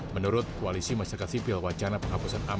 menurut koalisi masyarakat sipil wacana penghapusan amdal dan imb